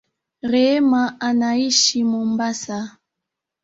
Rehema anaishi Mombasa